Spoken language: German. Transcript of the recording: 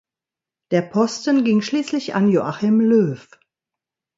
Der Posten ging schließlich an Joachim Löw.